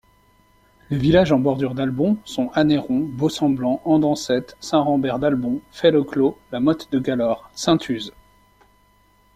Les villages en bordure d'Albon sont Anneyron, Beausemblant, Andancette, Saint-Rambert-d'Albon, Fay-le-Clos, La Motte-de-Galaure, Saint-Uze.